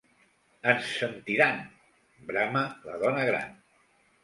Ens sentiran —brama la dona gran.